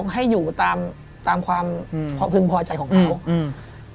๒ให้อยู่ตามความพึงพอใจของเค้า